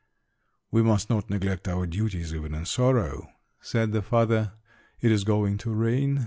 "We must not neglect our duties even in sorrow," said the father. "It is going to rain.